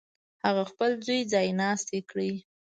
هغه خپل زوی ځایناستی کړي.